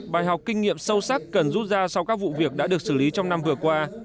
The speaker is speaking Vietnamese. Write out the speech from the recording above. bài học kinh nghiệm sâu sắc cần rút ra sau các vụ việc đã được xử lý trong năm vừa qua